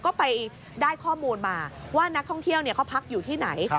ก็ไปได้ข้อมูลมาว่านักท่องเที่ยวเขาพักอยู่ที่ไหน